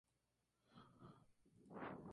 Noruega tiene una embajada en París.